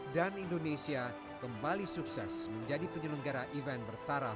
dan indonesia kembali sukses menjadi penyelenggara event bersejarah